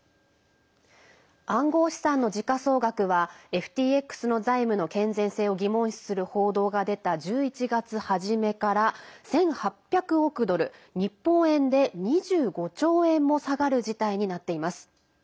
暗号資産の時価総額はＦＴＸの財務の健全性を疑問視する報道が出た１１月初めから１８００億ドル日本円で２５兆円も下がる事態になっています。